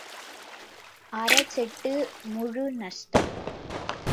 அறச் செட்டு முழு நஷ்டம்.